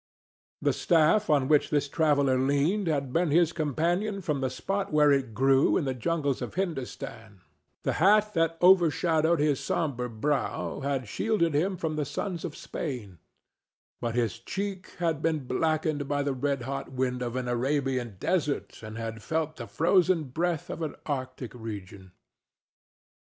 The staff on which this traveller leaned had been his companion from the spot where it grew in the jungles of Hindostan; the hat that overshadowed his sombre brow, had shielded him from the suns of Spain; but his cheek had been blackened by the red hot wind of an Arabian desert and had felt the frozen breath of an Arctic region.